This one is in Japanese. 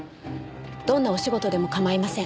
どんなお仕事でも構いません。